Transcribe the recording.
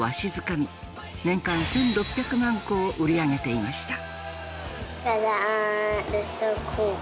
年間１，６００万個を売り上げていました。